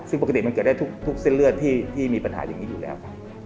ซึ่งปกติมันเกิดได้ทุกเส้นเลือดที่มีปัญหาอย่างนี้อยู่แล้วครับ